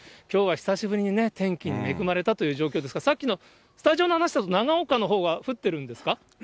きょうは久しぶりにね、天気に恵まれたという状況ですが、さっきのスタジオの話だと、長岡のほうは降ってるんですか。